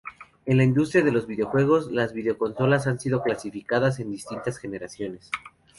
En la industria de los videojuegos, las videoconsolas han sido clasificadas en distintas generaciones.